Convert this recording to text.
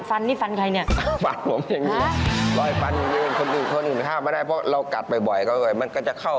ค่าทุกอย่างก็เกือบหมื่นนะครับค่าทุกอย่างก็เกือบหมื่นนะครับ